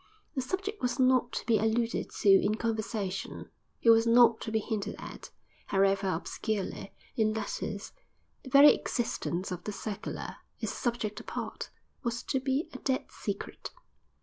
The subject was not to be alluded to in conversation, it was not to be hinted at, however obscurely, in letters; the very existence of the circular, its subject apart, was to be a dead secret.